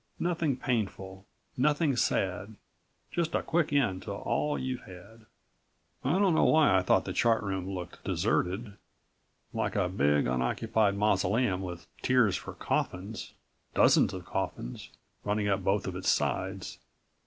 Nothing painful, nothing sad ... just a quick end to all you've had. I don't know why I thought the Chart Room looked deserted, like a big, unoccupied mausoleum with tiers for coffins dozens of coffins running up both of its sides.